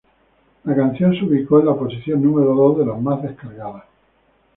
La canción se ubicó en la posición número dos de las más descargadas.